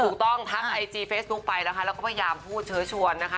ถูกต้องทักไอจีเฟซบุ๊คไปนะคะแล้วก็พยายามพูดเชิญชวนนะคะ